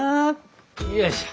よいしょ。